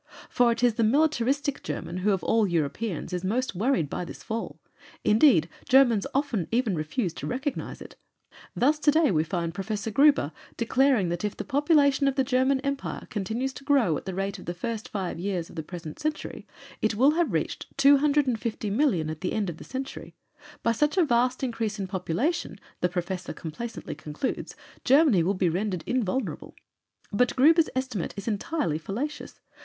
For it is the militaristic German who of all Europeans is most worried by this fall; indeed Germans often even refuse to recognize it. Thus today we find Professor Gruber declaring that if the population of the German Empire continues to grow at the rate of the first five years of the present century, it will have reached 250,000,000 at the end of the century. By such a vast increase in population, the Professor complacently concludes, 'Germany will be rendered invulnerable.' But Gruber's estimate is entirely fallacious.